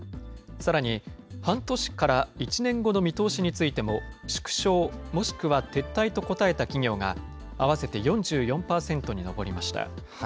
さらに半年から１年後の見通しについても、縮小もしくは撤退と答えた企業が、合わせて４４％に上りました。